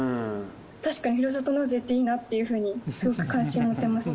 確かにふるさと納税っていいなっていうふうにすごく関心持てましたね。